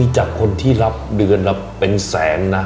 จากคนที่รับเดือนละเป็นแสนนะ